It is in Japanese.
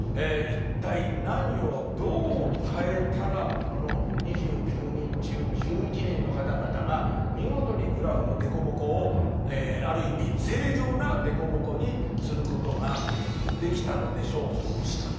一体何をどう変えたらこの２９人中１１人の方々が見事にグラフの凸凹をある意味正常な凸凹にすることができたのでしょうと。